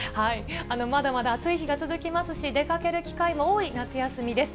まだまだ暑い日が続きますし、出かける機会も多い夏休みです。